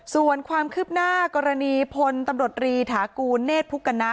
ส่วนความคืบหน้ากรณีพลตำรวจรีถากูลเนธพุกณะ